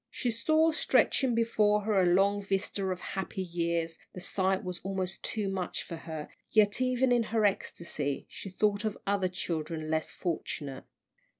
She saw stretching before her a long vista of happy years the sight was almost too much for her, yet even in her ecstasy she thought of other children less fortunate.